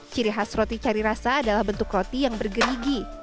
ciri khas roti cari rasa adalah bentuk roti yang bergerigi